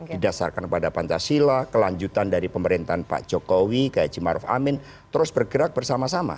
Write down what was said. didasarkan pada pancasila kelanjutan dari pemerintahan pak jokowi gaji maruf amin terus bergerak bersama sama